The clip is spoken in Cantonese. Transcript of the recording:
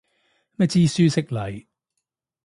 咩知書識禮